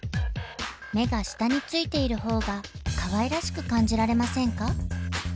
目が下についている方がかわいらしく感じられませんか？